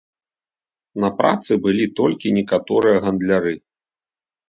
На працы былі толькі некаторыя гандляры.